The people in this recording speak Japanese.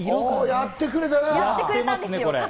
やってくれたな！